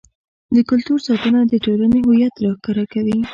د کلتور ساتنه د ټولنې هویت راښکاره کوي.